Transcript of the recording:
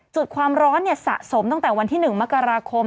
จุดความร้อนสะสมตั้งแต่วันที่๑มกราคม